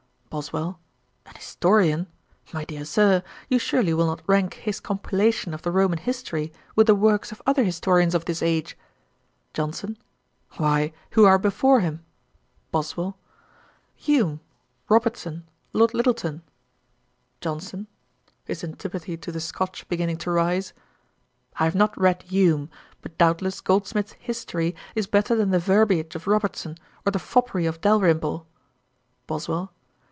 BOSWELL. 'An historian! My dear Sir, you surely will not rank his compilation of the Roman History with the works of other historians of this age?' JOHNSON. 'Why, who are before him?' BOSWELL. 'Hume, Robertson, Lord Lyttelton.' JOHNSON (his antipathy to the Scotch beginning to rise). 'I have not read Hume; but, doubtless, Goldsmith's History is better than the verbiage of Robertson, or the foppery of Dalrymple.' BOSWELL.